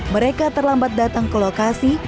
mereka terlambat datang ke lokasi